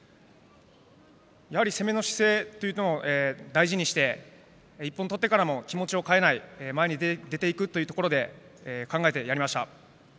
攻めの姿勢を大事にして１本取ってからも気持ちを変えない前に出ていくというところで考えてやりました。